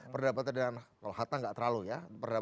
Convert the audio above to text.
kalau hatta tidak terlalu ya